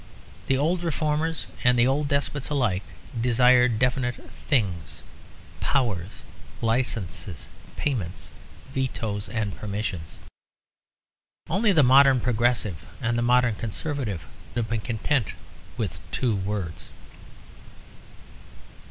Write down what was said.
The old reformers and the old despots alike desired definite things, powers, licenses, payments, vetoes, and permissions. Only the modern progressive and the modern conservative have been content with two words.